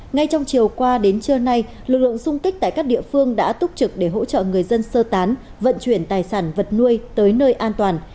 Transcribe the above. ngay trong chiều qua đến trưa nay lực lượng xung kích tại các địa phương đã túc trực để hỗ trợ người dân sơ tán vận chuyển tài sản vật nuôi tới nơi an toàn